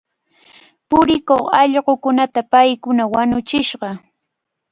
Purikuq allqukunata paykuna wañuchishqa.